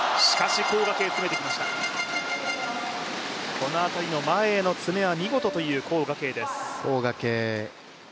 この辺りの前への詰めは見事という黄雅瓊です。